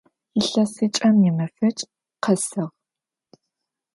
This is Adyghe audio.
Илъэсыкӏэм имэфэкӏ къэсыгъ.